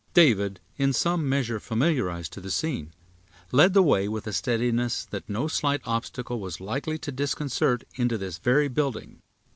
David, in some measure familiarized to the scene, led the way with a steadiness that no slight obstacle was likely to disconcert, into this very building.